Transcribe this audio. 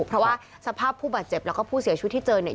เพราะว่าสภาพผู้บาดเจ็บแล้วก็ผู้เสียชีวิตที่เจอเนี่ย